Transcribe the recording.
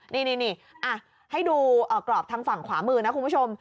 นี่ให้ดูกรอบทางฝั่งขวามือนะคุณผู้ชม